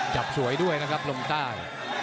จับสวยด้วยนะครับลงใต้